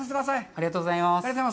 ありがとうございます。